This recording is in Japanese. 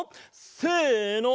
せの！